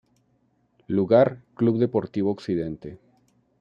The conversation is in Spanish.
Lugar: Club Deportivo Occidente.